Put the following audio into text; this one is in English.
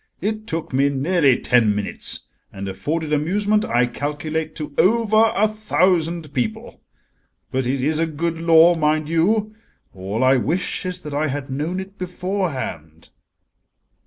It took me nearly ten minutes, and afforded amusement, I calculate, to over a thousand people. But it is a good law, mind you: all I wish is that I had known it beforehand."